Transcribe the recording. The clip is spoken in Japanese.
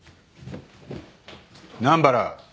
南原。